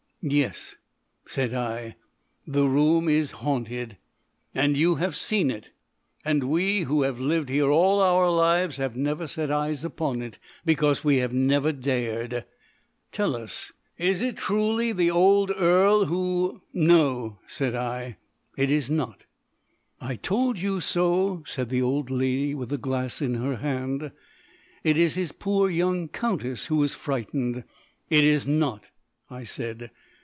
"Yes," said I; "the room is haunted." "And you have seen it. And we, who have lived here all our lives, have never set eyes upon it. Because we have never dared.... Tell us, is it truly the old earl who" "No," said I; "it is not." "I told you so," said the old lady, with the glass in her hand. "It is his poor young countess who was frightened" "It is not," I said.